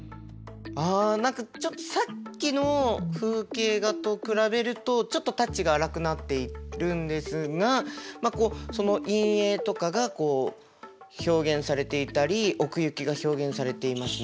ああ何かちょっとさっきの風景画と比べるとちょっとタッチが粗くなっているんですがその陰影とかがこう表現されていたり奥行きが表現されていますね。